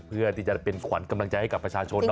เพื่อที่จะเป็นขวัญกำลังใจให้กับประชาชน